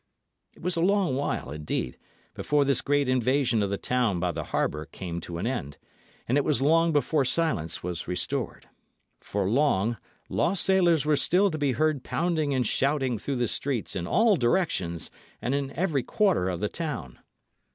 It was a long while, indeed, before this great invasion of the town by the harbour came to an end, and it was long before silence was restored. For long, lost sailors were still to be heard pounding and shouting through the streets in all directions and in every quarter of the town.